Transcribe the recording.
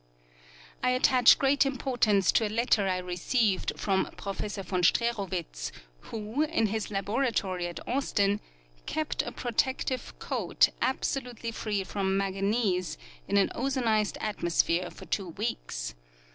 I attach great importance to a letter I received frcm Professor von StreeruAvitz, Avho, in his laboratory at Austin, " Kept a pro tective coat, absolutely free from manganese, in an ozonized atmosphere for tAVO Aveeks.